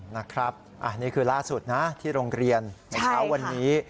นะครับอันนี้คือล่าสุดนะที่โรงเรียนเช้าวันนี้